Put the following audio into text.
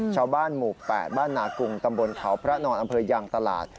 ชาวบ้านหมู่๘บ้านนากุงตำบลเขาพระนอนอำเภอยางตลาด